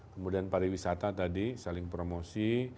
kemudian pariwisata tadi saling promosi